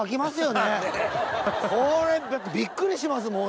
これびっくりします